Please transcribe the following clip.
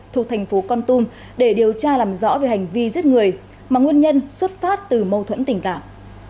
thuộc thành phố con tum để điều tra làm rõ về hành vi giết người mà nguyên nhân xuất phát từ mâu thuẫn tình cảm